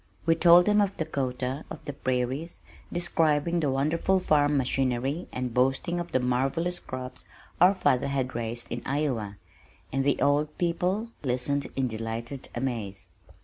We told them of Dakota, of the prairies, describing the wonderful farm machinery, and boasting of the marvellous crops our father had raised in Iowa, and the old people listened in delighted amaze.